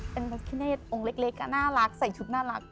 เป็นพระพิเนธองค์เล็กน่ารักใส่ชุดน่ารัก